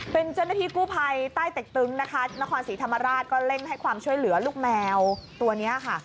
เป็นเจ้าหน้าที่กู้ภัยใต้เต็กตึงนะคะนครศรีธรรมราชก็เร่งให้ความช่วยเหลือลูกแมวตัวนี้ค่ะ